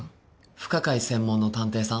不可解専門の探偵さん